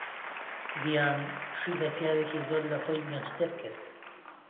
ڤیان شووی بە پیاوێکی زۆر لە خۆی گەنجتر کرد.